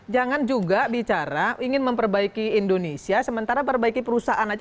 jangan juga bicara ingin memperbaiki indonesia sementara perbaiki perusahaan aja